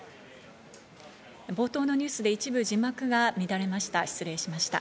冒頭のニュースで一部、字幕が乱れました。